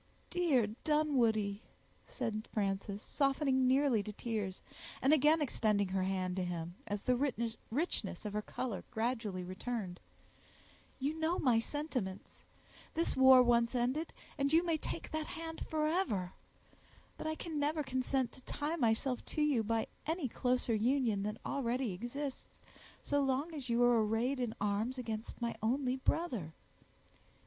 "Dear Dunwoodie," said Frances, softening nearly to tears, and again extending her hand to him, as the richness of her color gradually returned, "you know my sentiments—this war once ended, and you may take that hand forever—but I can never consent to tie myself to you by any closer union than already exists, so long as you are arrayed in arms against my only brother.